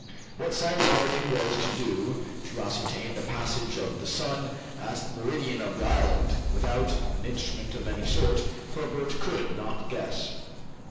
What Cyrus Harding was to do to ascertain the passage of the sun at the meridian of the island, without an instrument of any sort, Herbert could not guess.